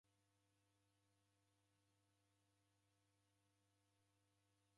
Mviringo ghwa machi ni suti kwa mzi.